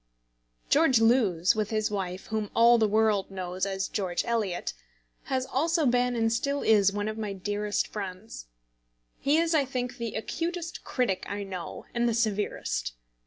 George Lewes, with his wife, whom all the world knows as George Eliot, has also been and still is one of my dearest friends. He is, I think, the acutest critic I know, and the severest.